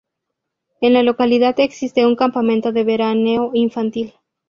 En la localidad existe un campamento de veraneo infantil.